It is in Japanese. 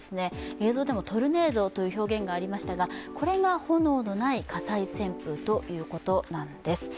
映像でもトルネードという表現がありましたがこれが炎のない火災旋風ということなんです。